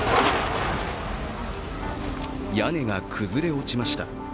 屋根が崩れ落ちました。